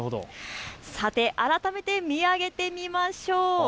さて改めて見上げてみましょう。